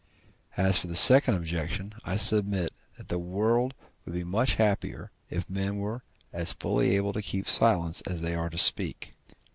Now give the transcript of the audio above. As for the second objection, I submit that the world would be much happier, if men were as fully able to keep silence as they are to speak.